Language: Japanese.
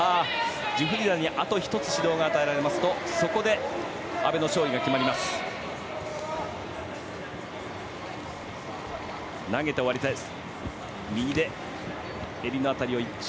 ジュフリダに、あと１つ指導が与えられますとそこで阿部の勝利が決まります。